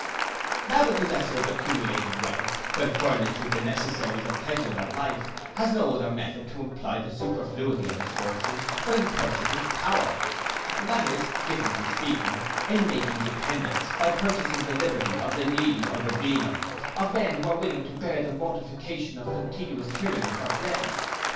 Now the possessor of accumulated wealth, when furnished with the necessaries and pleasures of life, has no other method to employ the superfluity of his fortune but in purchasing power. That is, differently speaking, in making dependents, by purchasing the liberty of the needy or the venal, of men who are willing to bear the mortification of contiguous tyranny for bread.